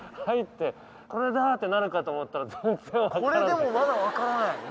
入ってこれだ！ってなるかと思ったら全然分からない